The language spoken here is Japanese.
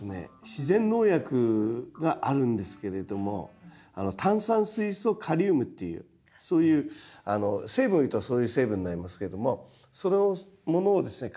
自然農薬があるんですけれども炭酸水素カリウムっていうそういうあの成分をいうとそういう成分になりますけれどもそれをものをですね